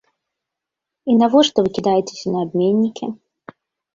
І навошта вы кідаецеся на абменнікі?